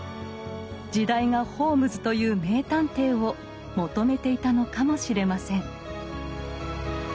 時代がホームズという名探偵を求めていたのかもしれません。